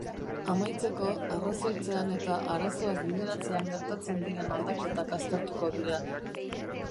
Amaitzeko, arrazoitzean eta arazoak bideratzean gertatzen diren aldaketak aztertuko dira.